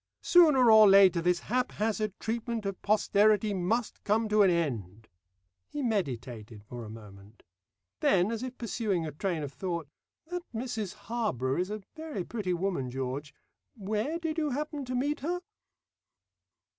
Sooner or later this haphazard treatment of posterity must come to an end." He meditated for a moment. Then, as if pursuing a train of thought, "That Mrs Harborough is a very pretty woman, George. Where did you happen to meet her?"